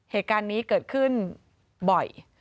เหตุการณ์นี้เกิดขึ้นบ่อย